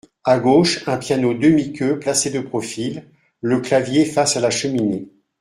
À gauche, un piano demi-queue placé de profil, le clavier face à la cheminée.